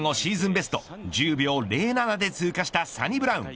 ベスト１０秒０７で通過したサニブラウン。